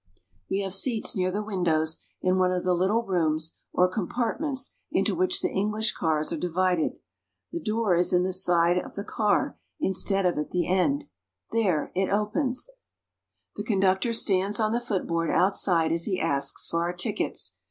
We have seats near the windows in one of the little rooms or compartments into which the English cars are divided. The door is in the side of the car instead of at RURAL ENGLAND. 49 the end. There, it opens. The conductor stands on the footboard outside as he asks for our tickets.